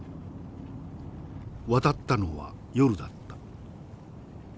渡ったのは夜だった。